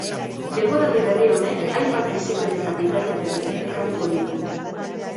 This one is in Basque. Denboraldi berri honek hainbat bizipen eta bidaia berri ekarriko ditu.